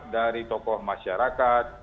dari tokoh masyarakat